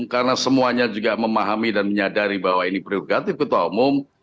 karena semuanya juga memahami dan menyadari bahwa ini prerogatif ketua umum